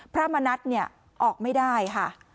พระมณัฐเนี่ยออกไม่ได้ค่ะ